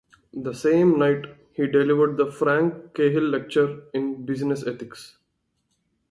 The same night, he delivered the Frank Cahill Lecture in Business Ethics.